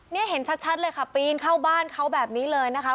นี่เห็นชัดเลยค่ะปีนเข้าบ้านเขาแบบนี้เลยนะคะ